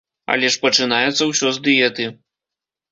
Але ж пачынаецца ўсё з дыеты.